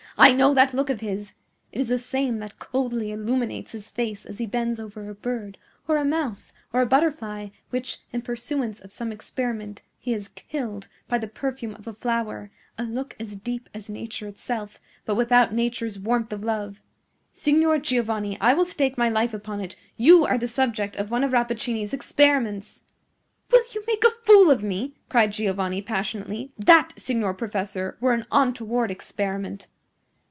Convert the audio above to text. I know that look of his! It is the same that coldly illuminates his face as he bends over a bird, a mouse, or a butterfly, which, in pursuance of some experiment, he has killed by the perfume of a flower; a look as deep as Nature itself, but without Nature's warmth of love. Signor Giovanni, I will stake my life upon it, you are the subject of one of Rappaccini's experiments!" "Will you make a fool of me?" cried Giovanni, passionately. "THAT, signor professor, were an untoward experiment."